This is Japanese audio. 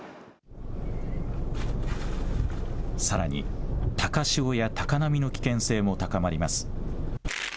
さらに高潮や高波の危険性も高まります。